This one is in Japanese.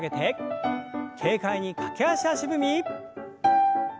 軽快に駆け足足踏み。